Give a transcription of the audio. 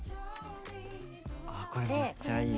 あっこれめっちゃいい